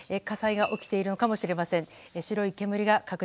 火災が起きているのかもしれません。